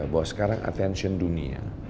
bahwa sekarang attention dunia